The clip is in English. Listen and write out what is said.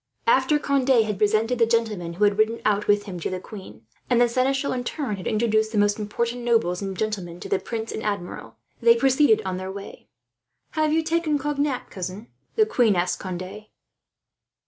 After Conde had presented the gentlemen who had ridden out with him to the queen, and the seneschal in turn had introduced the most important nobles and gentlemen to the prince and Admiral, they proceeded on their way. "Have you taken Cognac, cousin?" the queen asked Conde.